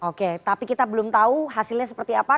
oke tapi kita belum tahu hasilnya seperti apa